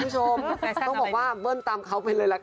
ต้องบอกว่าเบิ้ลตามเขาไปเลยล่ะค่ะ